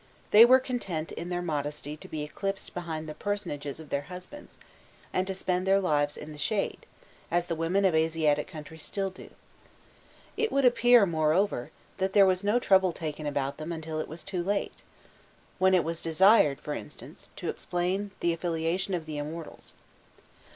* They were content, in their modesty, to be eclipsed behind the personages of their husbands, and to spend their lives in the shade, as the women of Asiatic countries still do. It would appear, moreover, that there was no trouble taken about them until it was too late when it was desired, for instance, to explain the affiliation of the immortals.